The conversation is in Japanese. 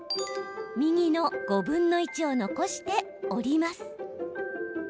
右の５分の１を残して折ります。